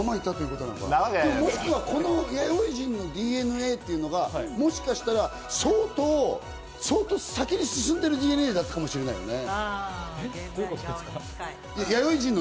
この人はこの弥生人のＤＮＡっていうのは、もしかしたら相当、先に進んでいるＤＮＡだったのかもしれないね。